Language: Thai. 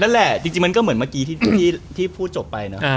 นั่นแหละจริงมันก็เหมือนเมื่อกี้ที่พูดจบไปเนอะ